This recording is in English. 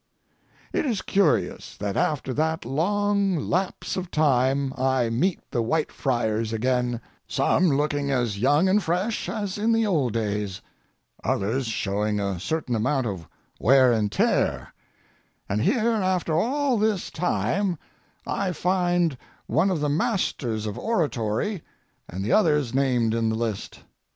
It is curious that after that long lapse of time I meet the Whitefriars again, some looking as young and fresh as in the old days, others showing a certain amount of wear and tear, and here, after all this time, I find one of the masters of oratory and the others named in the list.